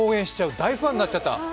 大ファンになっちゃった。